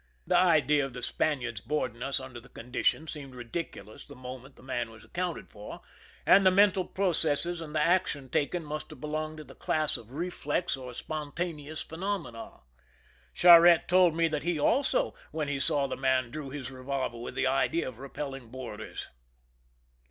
The idea of the Spaniards boarding us under the condition seemed ridiculous the moment the man was accounted for, and the mental pro cesses and the action taken must have belonged to the class of reflex or spontaneous * phenomena. Charette told me that he also, when he saw the man, drew his revolver with the idea of repelling boarders.